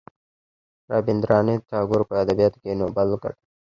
رابیندرانات ټاګور په ادبیاتو کې نوبل وګاټه.